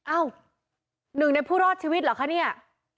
อ้าวหนึ่งในผู้รอดชีวิตเหรอคะเนี่ย